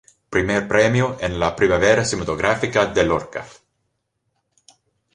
Primer Premio en la Primavera Cinematográfica de Lorca.